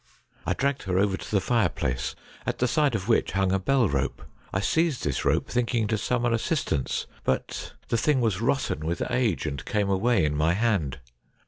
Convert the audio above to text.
I dragged her over to the fireplace, at the side of which hung a bell rope. I seized this rope, thinking to summon as sistance, but the thing was rotten with age, and came away in my hand.